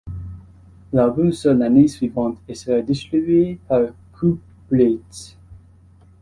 L'album sort l'année suivante et sera distribué par Coop Breizh.